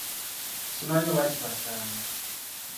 Simanyi oba kibasaana!